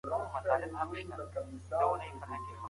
نا بلل شوي مېلمانه کیدای شي زیان ورسوي.